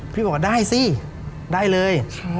พี่บอกว่าได้สิได้เลย